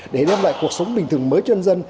để đem lại cuộc sống bình thường mới cho nhân dân